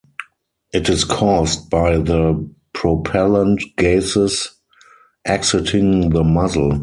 It is caused by the propellant gases exiting the muzzle.